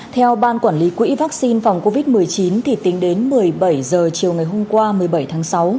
theo ban quản lý quỹ vaccine phòng covid một mươi chín thì tính đến một mươi bảy h chiều ngày hôm qua một mươi bảy tháng sáu